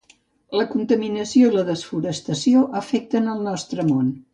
La contaminació i la desforestació afecten el nostre món.